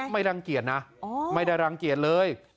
มีข้าวกลุ่ม